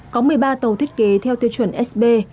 có một mươi ba tàu thiết kế theo tiêu chuẩn sb